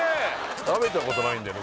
食べたことないんだよね